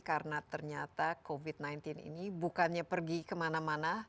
karena ternyata covid sembilan belas ini bukannya pergi kemana mana